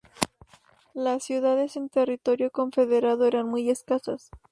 Las ciudades en territorio confederado eran muy escasas.